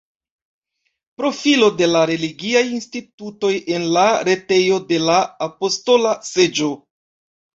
Profilo de la religiaj institutoj en la retejo de la Apostola Seĝo.